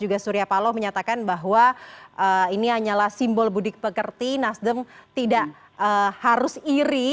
juga surya paloh menyatakan bahwa ini hanyalah simbol budik pekerti nasdem tidak harus iri